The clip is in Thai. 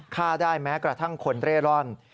ฆ่าได้แม้กระทั่งคนเร่ร่อน